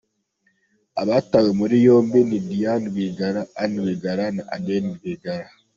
Abatawe muri yombi ni Diane Rwigara, Anne Rwigara na Adeline Rwigara.